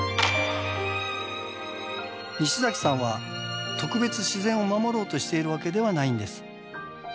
西崎さんは特別自然を守ろうとしているわけではないんです。